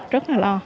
rất là lo